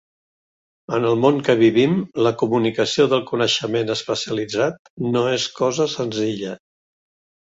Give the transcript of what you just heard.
En el món que vivim, la comunicació del coneixement especialitzat no és cosa senzilla.